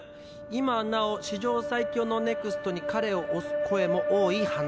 今なお史上最強のＮＥＸＴに彼を推す声も多い犯罪者」。